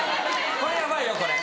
これヤバいよこれ。